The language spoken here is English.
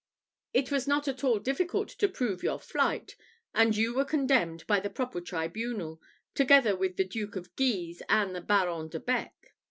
It was not at all difficult to prove your flight, and you were condemned by the proper tribunal, together with the Duke of Guise and the Baron de Bec.